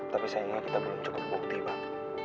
tapi sayangnya kita belum cukup bukti pak